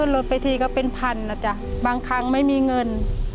ลดไปทีก็เป็นพันนะจ๊ะบางครั้งไม่มีเงิน